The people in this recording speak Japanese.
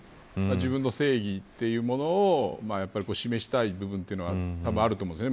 自分の正義というものを示したい部分というのはたぶんあると思うんです。